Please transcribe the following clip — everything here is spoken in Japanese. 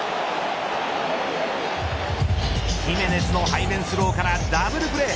ヒメネスの背面スローからダブルプレー。